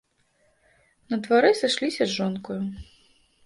На дварэ сышліся з жонкаю.